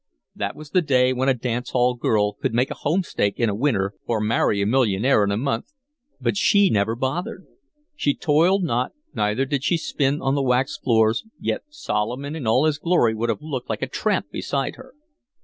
That was the day when a dance hall girl could make a homestake in a winter or marry a millionaire in a month, but she never bothered. She toiled not, neither did she spin on the waxed floors, yet Solomon in all his glory would have looked like a tramp beside her."